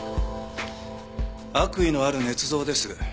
悪意のある捏造です。